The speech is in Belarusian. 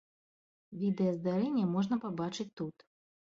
Відэа здарэння можна пабачыць тут.